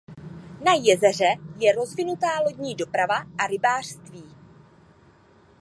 Na jezeře je rozvinutá lodní doprava a rybářství.